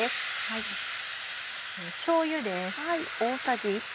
しょうゆです。